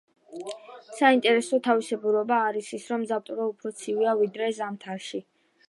საინტერესო თავისებურება არის ის, რომ ზაფხულში არსებული ტემპერატურა უფრო ცივია ვიდრე ზამთარში.